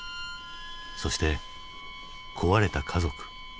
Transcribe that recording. そして壊れた家族。